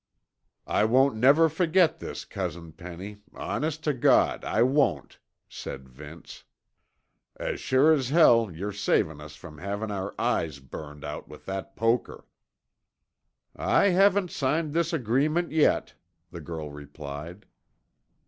"I won't never ferget this, Cousin Penny, honest tuh God I won't," said Vince. "As sure as hell yer savin' us from havin' our eyes burned out with that poker." "I haven't signed this agreement yet," the girl replied.